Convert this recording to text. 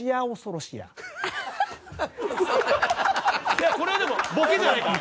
いやこれはでもボケじゃないから。